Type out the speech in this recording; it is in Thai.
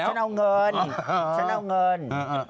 ไม่เอาฉันเอาเงินฉันเอาเงิน